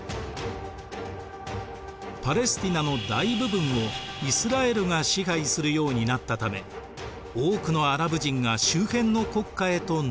パレスティナの大部分をイスラエルが支配するようになったため多くのアラブ人が周辺の国家へと逃れていきました。